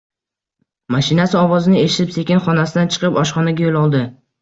Mashinasi ovozini eshitib, sekin xonasidan chiqib oshxonaga yo`l oldi